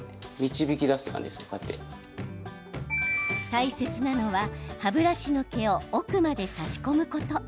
大切なのは歯ブラシの毛を奥まで差し込むこと。